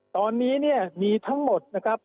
ตอนนี้เนี่ยมีทั้งหมดนะครับ